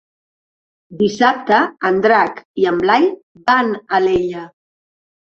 Dissabte en Drac i en Blai van a Alella.